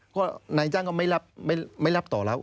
เพราะนายจ้านก็ไม่รับต่อแล้ว